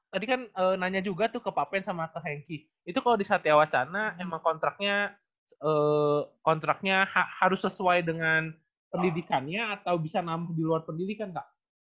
tadi kan nanya juga tuh ke papen sama ke hengki itu kalau di satya wacana emang kontraknya harus sesuai dengan pendidikannya atau bisa nampuh di luar pendidikan nggak